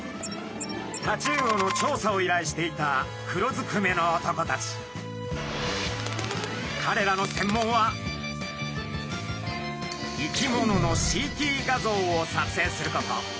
タチウオの調査をいらいしていたかれらの専門は生き物のＣＴ画像を撮影すること。